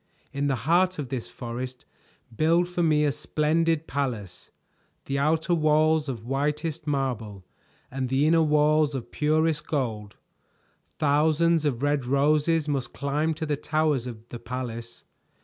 In the heart of this forest build for me a splendid palace, the outer walls of whitest marble and the inner walls of purest gold. Thousands of red roses must climb to the towers of the palace.